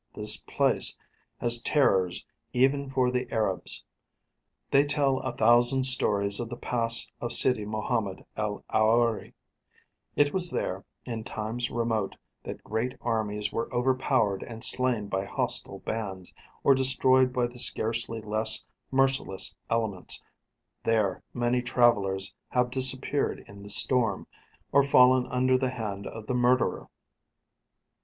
This place has terrors even for the Arabs; they tell a thousand stories of the Pass of Sidi Mohammed el Aoori: it was there, in times remote, that great armies were overpowered and slain by hostile bands, or destroyed by the scarcely less merciless elements; there many travellers have disappeared in the storm, or fallen under the hand of the murderer.